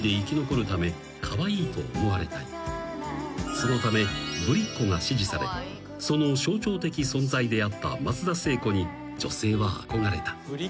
［そのためぶりっ子が支持されその象徴的存在であった松田聖子に女性は憧れた］